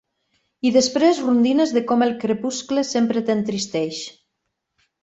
I després rondines de com el crepuscle sempre t'entristeix.